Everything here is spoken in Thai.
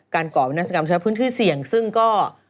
ก่อวินาศกรรมใช้พื้นที่เสี่ยงซึ่งก็